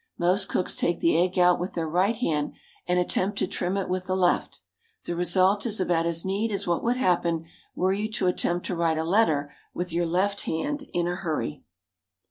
Most cooks take the egg out with their right hand, and attempt to trim it with the left; the result is about as neat as what would happen were you to attempt to write a letter with your left hand in a hurry.